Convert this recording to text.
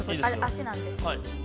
足なんで。